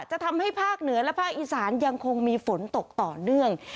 จะทำให้ภาคเหนือและภาคอีสานยังคงมีฝนตกต่อเนื่อง